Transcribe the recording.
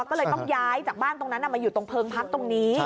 ก็เลยต้องย้ายจากบ้านตรงนั้นมาอยู่ตรงเพลิงพักตรงนี้